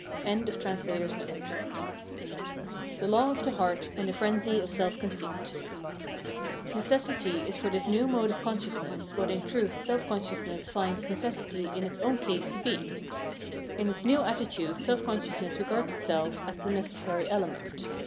] 356 The Law op the Heart, and the Frenzy OP Selp conceit Necessity is for tMs new mode of consciousness what in truth self consciousness finds necessity in its own case to be. In its new attitude self consciousness regards itself as the necessary element.